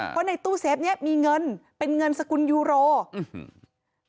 เพราะในตู้เซฟเนี้ยมีเงินเป็นเงินสกุลยูโรอืม